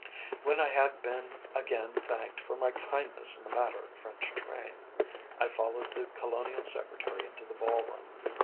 When I had been again thanked for my kindness in the matter of the French train, I followed the Colonial Secretary into the ball room.